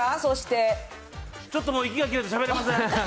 ちょっともう、息が切れてしゃべれません。